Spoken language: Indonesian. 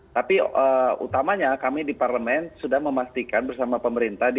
tapi utamanya kami di parlemen sudah memastikan bersama pemerintah